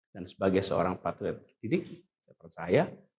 dan sebagai seorang patuh yang berpikir saya percaya